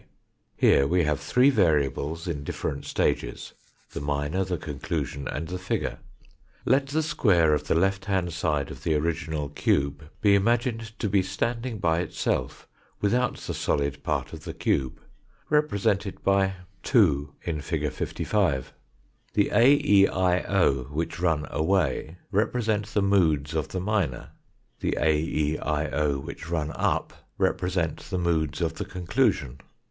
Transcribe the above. Here we have three variables in different stages, the minor, the con clusion, and the figure. Let the square of the left hand side of the original cube be imagined to be standing by itself, without the solid part of the cube, represented by (2) fig. 55. The A, E, I, o, which run away represent the moods of the minor, the A, E, I, o, which run up represent the moods of the conclusion.